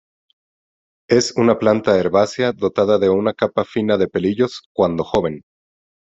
Es una planta herbácea dotada de una capa fina de pelillos, cuando joven.